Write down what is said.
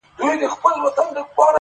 پټ کي څرگند دی؛